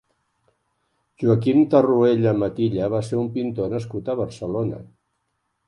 Joaquim Terruella Matilla va ser un pintor nascut a Barcelona.